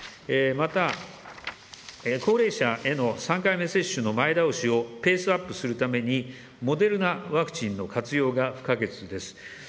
また、高齢者への３回目接種の前倒しをペースアップするために、モデルナワクチンの活用が不可欠です。